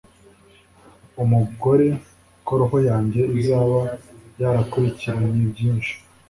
Umugore ko roho yanjye izaba yarakurikiranye byinshi